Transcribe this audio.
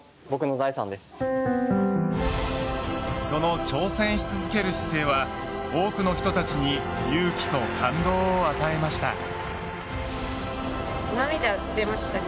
その挑戦し続ける姿勢は多くの人たちに勇気と感動を与えました。